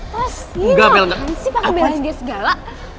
pasti lo apaan sih pake belain dia segala